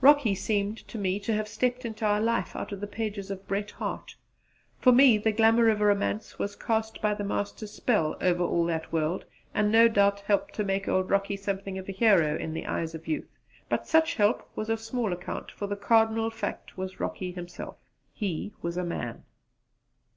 Rocky seemed to me to have stepped into our life out of the pages of Bret Harte. For me the glamour of romance was cast by the Master's spell over all that world, and no doubt helped to make old Rocky something of a hero in the eyes of youth; but such help was of small account, for the cardinal fact was Rocky himself. He was a man.